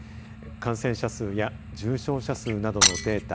感染者数や重症者数などのデータ